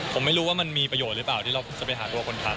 ผมไม่รู้ว่ามันมีประโยชน์หรือเปล่าที่เราจะไปหาตัวคนขับ